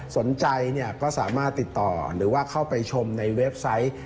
สนใจเนี่ยก็สามารถติดต่อหรือว่าเข้าไปชมในเว็บไซต์